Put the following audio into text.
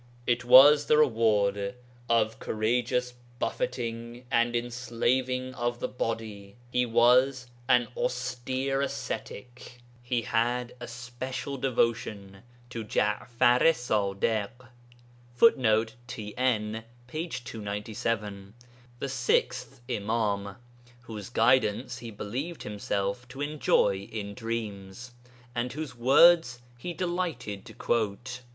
It was the reward of courageous 'buffeting' and enslaving of the body; he was an austere ascetic. He had a special devotion to Ja'far i Ṣadiḳ, [Footnote: TN, p. 297.] the sixth Imām, whose guidance he believed himself to enjoy in dreams, and whose words he delighted to quote.